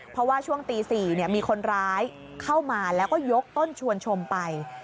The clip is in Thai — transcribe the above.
เพราะว่าช่วงตี๔มีคนร้ายเข้ามาแล้วก็ยกต้นชวนชมไป